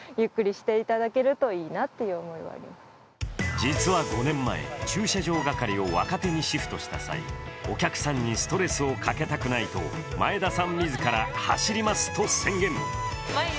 実は５年前、駐車場係を若手にシフトした際お客さんにストレスをかけたくないと前田さん自ら走りますと宣言。